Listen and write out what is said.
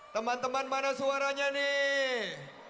teman teman mana suaranya nih